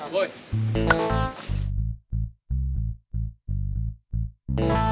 sampai jumpa lagi